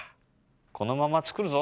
このまま作るぞ。